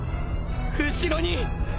後ろに！